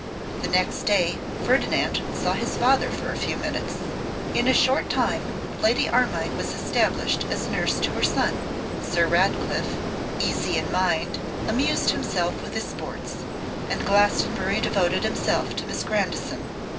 The next day, Ferdinand saw his father for a few minutes. In a short time, Lady Armine was established as nurse to her son; Sir Ratcliffe, easy in mind, amused himself with his sports; and Glastonbury devoted himself to Miss Grandison.